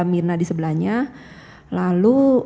myrna di sebelahnya lalu